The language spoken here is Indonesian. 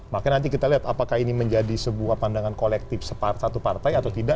makanya nanti kita lihat apakah ini menjadi sebuah pandangan kolektif satu partai atau tidak